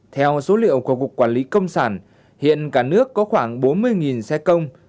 theo số liệu của cục quản lý công sản hiện cả nước có khoảng bốn mươi xe công